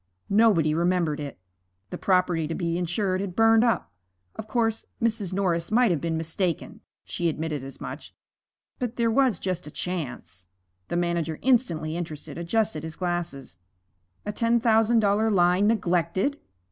Nobody remembered it. The property to be insured had burned up. Of course, Mrs. Norris might have been mistaken (she admitted as much), but there was just a chance The manager, instantly interested, adjusted his glasses. A ten thousand dollar line neglected!